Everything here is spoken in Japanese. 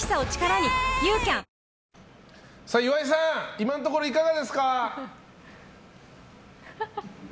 今のところいかがですか？